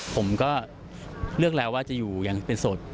ผมก็เลือกแล้วว่าจะอยู่อย่างเป็นสด